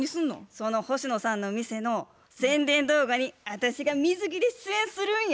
その星野さんの店の宣伝動画に私が水着で出演するんや。